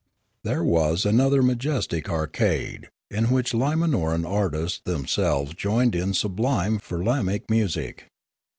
There was another majestic arcade, in which Lima noran artists themselves joined in sublime firlamaic music.